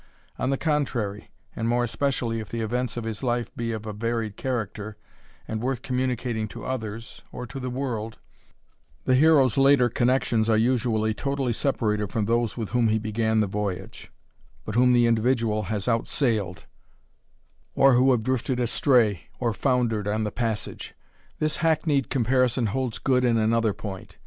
On the contrary, and more especially if the events of his life be of a varied character, and worth communicating to others, or to the world, the hero's later connexions are usually totally separated from those with whom he began the voyage, but whom the individual has outsailed, or who have drifted astray, or foundered on the passage. This hackneyed comparison holds good in another point.